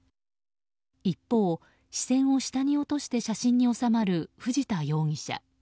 一方、視線を下に落として写真に納まる藤田容疑者。